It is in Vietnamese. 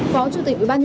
phó chủ tịch ubnd